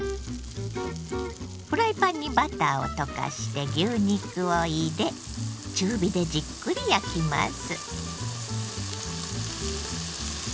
フライパンにバターを溶かして牛肉を入れ中火でじっくり焼きます。